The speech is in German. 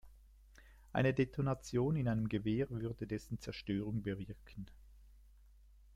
Eine Detonation in einem Gewehr würde dessen Zerstörung bewirken.